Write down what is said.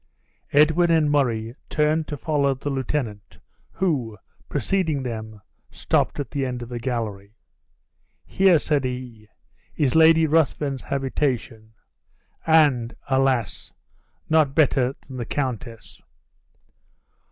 Edwin and Murray turned to follow the lieutenant, who, preceding them, stopped at the end of the gallery. "Here," said he, "is Lady Ruthven's habitation; and alas! not better than the countess'."